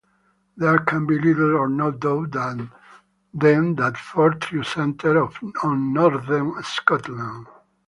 There can be little or no doubt then that Fortriu centred on northern Scotland.